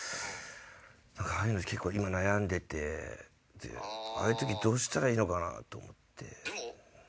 ああいうの結構今悩んでてああいう時どうしたらいいのかなと思って。